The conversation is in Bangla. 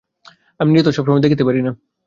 আমি নিজে তো সব সময় দেখতে পারি না।